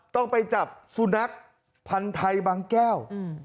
ต้องไปจับสุนัขพันธ์ไทยบางแก้ว